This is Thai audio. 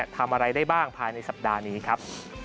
ทำอะไรได้บ้างภายในสัปดาห์นี้ครับ